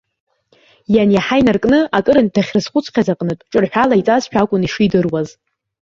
Ианиаҳа инаркны, акырынтә дахьрызхәыцхьаз аҟнытә, ҿырҳәала иҵазшәа акәын ишидыруаз.